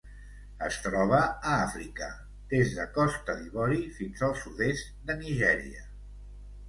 Es troba a Àfrica: des de Costa d'Ivori fins al sud-est de Nigèria.